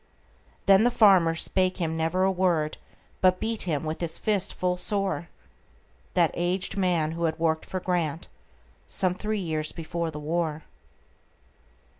Then the farmer spake him never a word, But beat with his fist full soreThat aged man, who had worked for GrantSome three years before the war.